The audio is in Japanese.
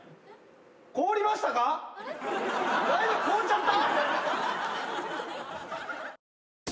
凍っちゃった！？